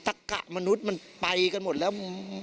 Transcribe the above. ตะกะมนุษย์มันไปกันหมดแล้ว